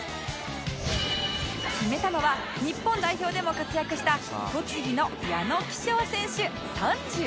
決めたのは日本代表でも活躍した栃木の矢野貴章選手３８歳